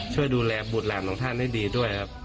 ช่วยดูแลบุตรหลานของท่านให้ดีด้วยครับ